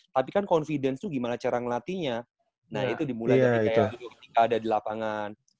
tapi kan confidence itu gimana cara ngelatihnya nah itu dimulai dari kayak ada di lapangan